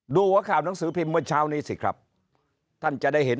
หัวข่าวหนังสือพิมพ์เมื่อเช้านี้สิครับท่านจะได้เห็น